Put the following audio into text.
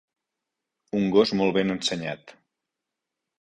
Un gos molt ben ensenyat.